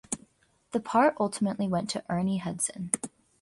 The part ultimately went to Ernie Hudson.